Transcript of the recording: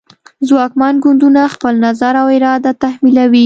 ځواکمن ګوندونه خپل نظر او اراده تحمیلوي